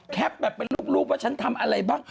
แคปแบบไปลูกว่าฉันทำอะไรบ้าง